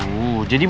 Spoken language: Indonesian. oh karena itu